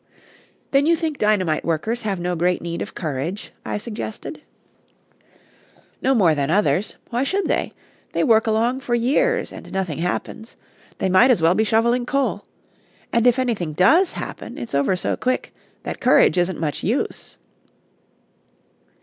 "Then you think dynamite workers have no great need of courage?" I suggested. "No more than others. Why should they? They work along for years, and nothing happens. They might as well be shoveling coal. And if anything does happen, it's over so quick that courage isn't much use."